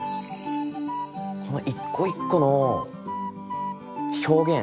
この一個一個の表現